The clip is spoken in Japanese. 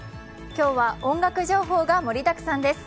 今日は音楽情報が盛りだくさんです。